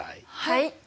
はい。